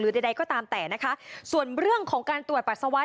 ใดใดก็ตามแต่นะคะส่วนเรื่องของการตรวจปัสสาวะ